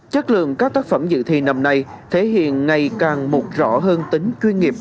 chất lượng các tác phẩm dự thi năm nay thể hiện ngày càng một rõ hơn tính chuyên nghiệp